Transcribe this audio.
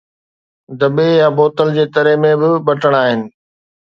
دٻي يا بوتل جي تري ۾ ٻه بٽڻ آهن